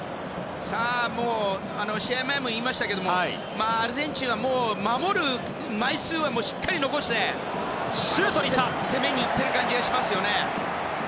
もう、試合前も言いましたけれどもアルゼンチンはもう守る枚数はしっかり残して攻めに行ってる感じがしますね。